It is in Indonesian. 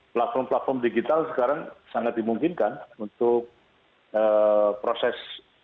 platform platform digital sekarang sangat dimungkinkan untuk proses